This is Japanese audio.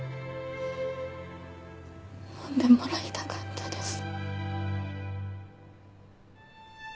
飲んでもらいたかったです。